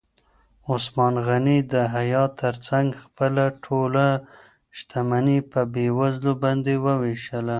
عثمان غني د حیا تر څنګ خپله ټوله شتمني په بېوزلو باندې ووېشله.